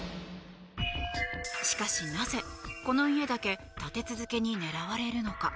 しかし、なぜこの家だけ立て続けに狙われるのか。